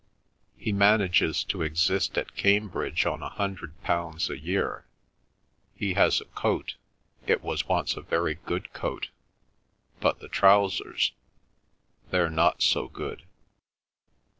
He manages to exist at Cambridge on a hundred pounds a year. He has a coat; it was once a very good coat. But the trousers—they're not so good.